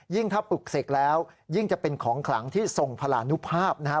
ถ้าปลุกเสกแล้วยิ่งจะเป็นของขลังที่ทรงพลานุภาพนะครับ